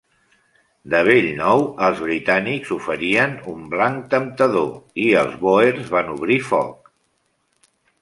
De bell nou, els britànics oferien un blanc temptador i els bòers van obrir foc.